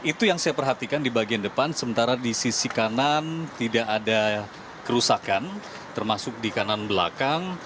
itu yang saya perhatikan di bagian depan sementara di sisi kanan tidak ada kerusakan termasuk di kanan belakang